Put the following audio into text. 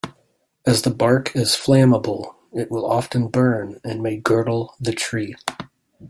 As the bark is flammable it will often burn and may girdle the tree.